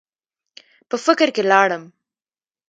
پۀ فکر کښې لاړم ـ